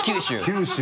九州？